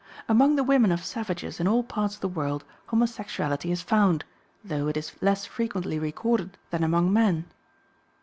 Among the women of savages in all parts of the world homosexuality is found, though it is less frequently recorded than among men.